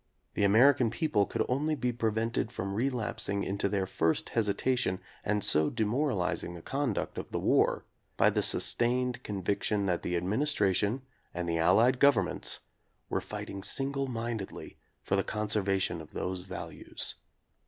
The American people could only be prevented from relapsing into their first hesita tion, and so demoralizing the conduct of the war, by the sustained conviction that the Administra tion and the Allied governments were fighting single mindedly for the conservation of those values.